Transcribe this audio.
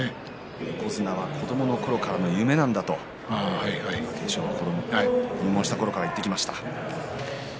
横綱は子どものころから夢なんだと貴景勝は入門したころから言ってきました。